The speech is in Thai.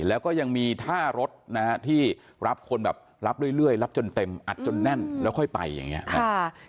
แล้วก็ยังมีท่ารถนะฮะที่รับคนแบบรับเรื่อยรับจนเต็มอัดจนแน่นแล้วค่อยไปอย่างนี้นะครับ